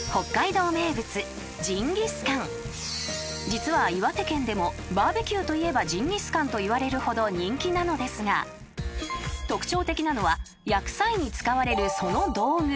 ［実は岩手県でもバーベキューといえばジンギスカンといわれるほど人気なのですが特徴的なのは焼く際に使われるその道具］